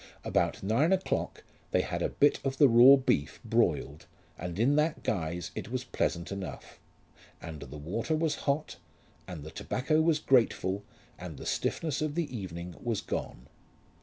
About nine o'clock they had a bit of the raw beef broiled, and in that guise it was pleasant enough; and the water was hot, and the tobacco was grateful and the stiffness of the evening was gone.